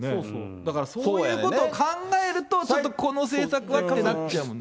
だからそういうことを考えると、ちょっとこの政策はってなっちゃうもんね。